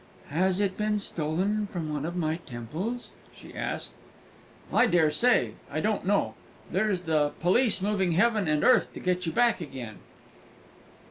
"Has it been stolen from one of my temples?" she asked. "I dare say I don't know; but there's the police moving heaven and earth to get you back again!"